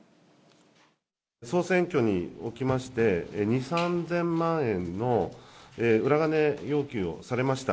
総選挙におきまして、２、３０００万円の裏金要求をされました。